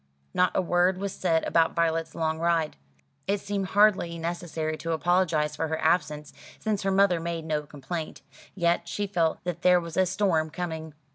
Not a word was said about Violet's long ride. It seemed hardly necessary to apologise for her absence, since her mother made no complaint. Yet she felt that there was a storm coming.